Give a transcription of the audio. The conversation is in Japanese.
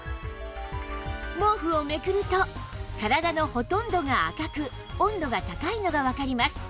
毛布をめくると体のほとんどが赤く温度が高いのがわかります